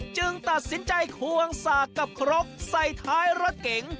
จึงตัดสินใจควงสากกับครกใส่ท้ายรถเก๋ง